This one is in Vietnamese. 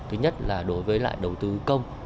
thứ nhất là đối với lại đầu tư công